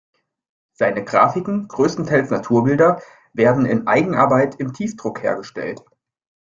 Seine Graphiken, größtenteils Naturbilder, werden in Eigenarbeit im Tiefdruck hergestellt.